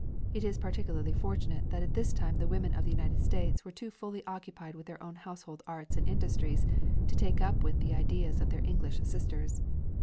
It is particularly fortunate that at this time the women of the United States were too fully occupied with their own household arts and industries to take up with the ideas of their English sisters.